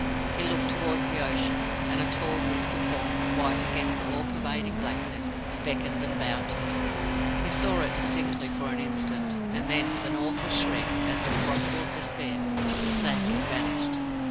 He looked towards the ocean, and a tall misty Form white against the all pervading blackness beckoned and bowed to him. He saw it distinctly for an instant, and then, with an awful shriek, as of wrathful despair, it sank and vanished.